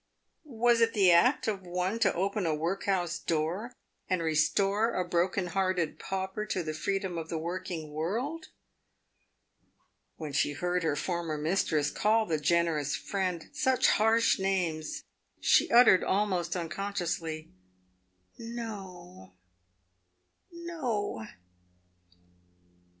"Was it the act of one to open a workhouse door, and restore a broken hearted pauper to the freedom of the working world ? "When she heard her former mistress call the generous friend such harsh names, she uttered almost unconsciously, " No! no